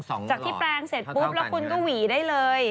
จากที่แปลงเสร็จปุ๊บแล้วคุณก็หวีได้เลย